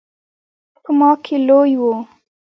په ما کې لوی و.